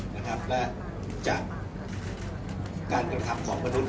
โดยชาติส่วนหนึ่งและจากการกระทับของมนุษย์